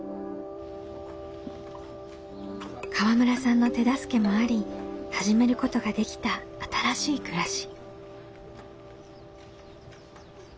河村さんの手助けもあり始めることができた新しい暮らし。